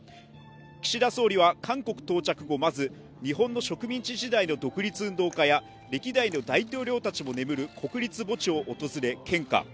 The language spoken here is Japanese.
岸田総理は韓国到着後まず、日本の植民地時代の独立運動家や歴代の大統領たちも眠る国立墓地を訪れ、献花。